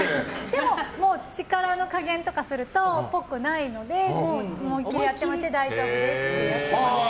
でも力の加減とかするとっぽくないので思い切りやってもらって大丈夫ですと。